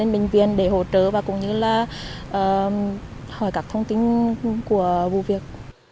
nhân viên để hỗ trợ và cũng như là hỏi các thông tin của vụ việc